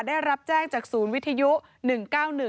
ได้รับแจ้งจากศูนย์วิทยุ๑๙๑